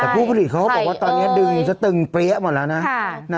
แต่ผู้ผลิตเขาก็บอกว่าตอนนี้ดึงซะตึงเปรี้ยหมดแล้วนะ